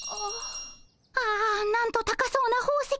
ああなんと高そうな宝石。